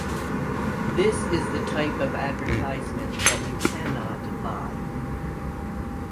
This is the type of advertisement that you cannot buy.